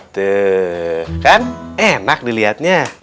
tuh kan enak diliatnya